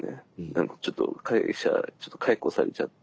何かちょっと会社ちょっと解雇されちゃって。